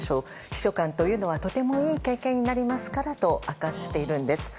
秘書官というのはとてもいい経験になりますからと明かしているんです。